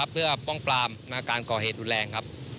เพื่อป้องปลามาการก่อเหตุอุดแรง